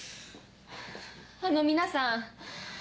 あの皆さん。